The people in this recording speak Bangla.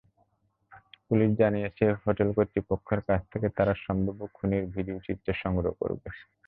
পুলিশ জানিয়েছে, হোটেল কর্তৃপক্ষের কাছ থেকে তারা সম্ভাব্য খুনির ভিডিওচিত্র সংগ্রহ করবে।